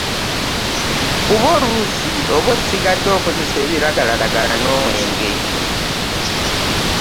kuba oluusi oba osigadde okozesa ebiragalalagala n'omwenge.